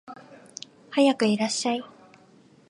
はやくいらっしゃい